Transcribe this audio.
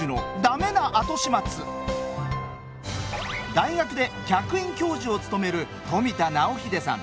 大学で客員教授を務める富田直秀さん